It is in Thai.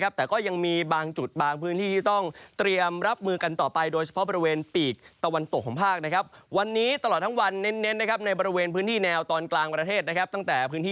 มาแล้วมาแล้วมาแล้วมาแล้วมาแล้วมาแล้วมาแล้วมาแล้วมาแล้วมาแล้วมาแล้วมาแล้วมาแล้วมาแล้วมาแล้วมาแล้ว